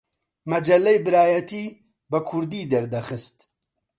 مەجەللەی برایەتی بە کوردی دەردەخست